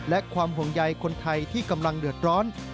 และความห่วงใยคนไทยที่กำลังเดือดร้อน